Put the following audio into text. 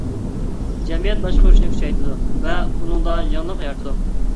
جەمئىيەت باشقۇرۇشنى كۈچەيتىدۇ ۋە ئۇنىڭدا يېڭىلىق يارىتىدۇ.